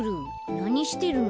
なにしてるの？